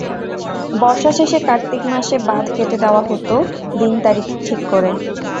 বর্ষা শেষে কার্তিক মাসে বাঁধ কেটে দেওয়া হতো দিন তারিখ ঠিক করে।